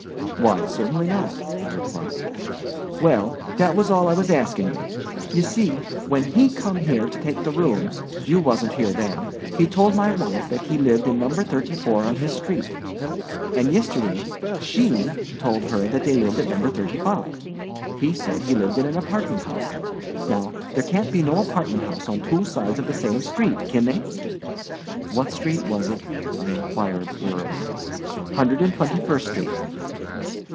"Why, certainly not," I replied. "Well—that was all I wuz askin' ye. Ye see, when he come here to take the rooms—you wasn't here then—he told my wife that he lived at number thirty four in his street. An' yistiddy she told her that they lived at number thirty five. He said he lived in an apartment house. Now there can't be no apartment house on two sides of the same street, kin they?" "What street was it?" I inquired, wearily. "Hundred 'n' twenty first street."